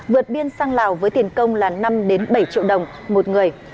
vượt biên sang lào với tiền công là năm bảy triệu đồng một người